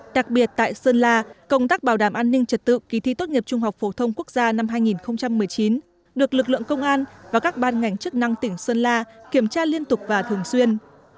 đặc biệt tại sơn la công tác bảo đảm an ninh trật tự kỳ thi tốt nghiệp trung học phổ thông quốc gia năm hai nghìn một mươi chín được lực lượng công an và các ban ngành chức năng tỉnh sơn la kiểm tra liên tục và thường xuyên